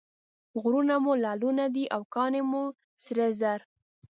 غرونه مو لعلونه دي او کاڼي مو سره زر.